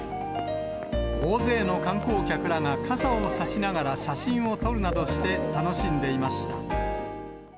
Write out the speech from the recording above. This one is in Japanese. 大勢の観光客らが傘を差しながら写真を撮るなどして楽しんでいました。